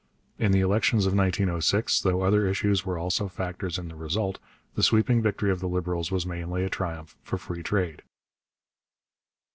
In the elections of 1906, though other issues were also factors in the result, the sweeping victory of the Liberals was mainly a triumph for free trade.